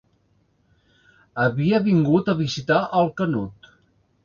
Havia vingut a visitar el Canut.